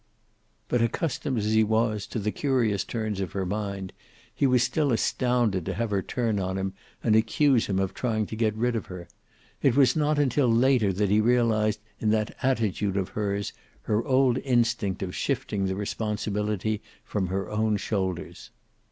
But accustomed as he was to the curious turns of her mind, he was still astounded to have her turn on him and accuse him of trying to get rid of her. It was not until later that he realized in that attitude of hers her old instinct of shifting the responsibility from her own shoulders.